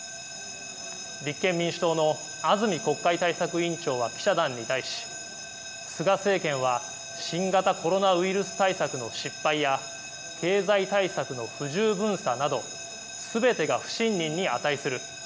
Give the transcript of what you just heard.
立憲民主党の安住国会対策委員長は記者団に対し菅政権は新型コロナウイルス対策の失敗や経済対策の不十分さなどすべてが不信任に値する。